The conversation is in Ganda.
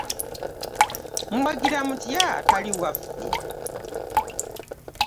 Mwagira mutya atali waffe?